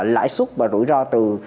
lãi xuất và rủi ro từ